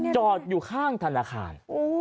จอดอยู่ข้างธนาคาร